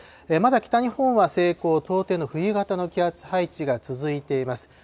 まだ北日本は西高東低の冬型の気圧配置が続いています。